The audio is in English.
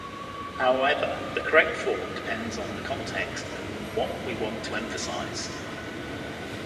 However, the correct form depends on the context and what we want to emphasize.